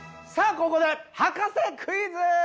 ここで博士クイズ！